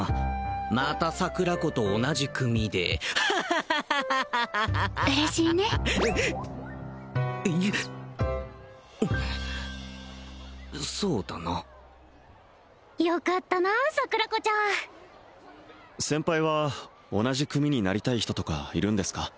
また桜子と同じ組でハハハハハッ嬉しいねそうだなよかったな桜子ちゃん先輩は同じ組になりたい人とかいるんですか？